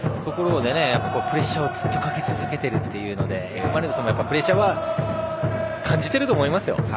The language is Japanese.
プレッシャーをずっとかけ続けているというのでＦ・マリノスもプレッシャーは感じていると思います。